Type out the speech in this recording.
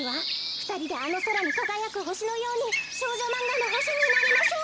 ふたりであのそらにかがやくほしのように少女マンガのほしになりましょう。